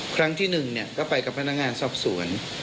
ครั้งที่หนึ่งเนี่ยก็ไปกับพนักงานซอบส่วน